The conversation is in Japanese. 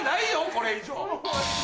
これ以上。